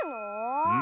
うん。